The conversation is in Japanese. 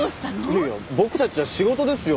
いやいや僕たちは仕事ですよ。